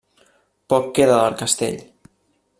Poc queda del castell.